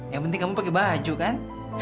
yang penting kamu pakai baju kan